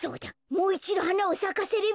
もういちど花をさかせれば。